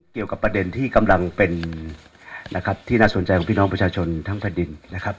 เกี่ยวกับประเด็นที่กำลังเป็นนะครับที่น่าสนใจของพี่น้องประชาชนทั้งแผ่นดินนะครับ